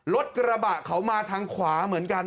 รถกระบะเขามาทางขวาเหมือนกัน